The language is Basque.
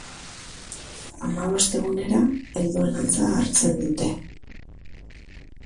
Hamabost egunera helduen antza hartzen dute.